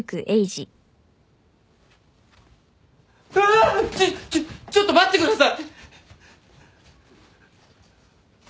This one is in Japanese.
ちょっちょっちょっと待ってください！